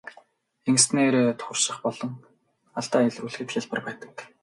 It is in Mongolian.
Ингэснээр турших болон алдаа илрүүлэхэд хялбар байдаг.